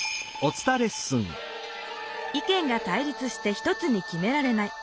意見が対立して１つにきめられない。